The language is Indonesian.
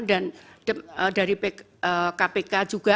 dan dari kpk juga